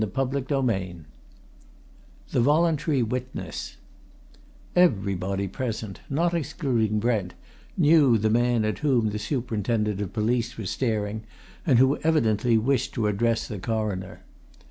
CHAPTER VII THE VOLUNTARY WITNESS Everybody present, not excluding Brent, knew the man at whom the Superintendent of Police was staring, and who evidently wished to address the Coroner.